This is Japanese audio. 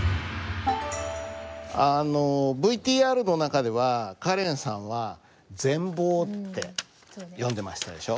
あのＶＴＲの中ではカレンさんは「ぜんぼう」って読んでましたでしょ。